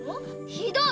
ひどい！